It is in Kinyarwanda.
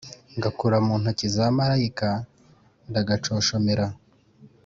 ngakura mu intoki za marayika ndagaconshomera.